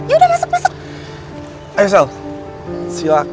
ya udah masuk